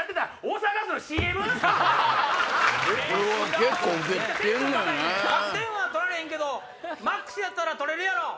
１００点は取られへんけどマックスやったら取れるやろ。